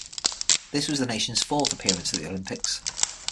This was the nation's fourth appearance at the Olympics.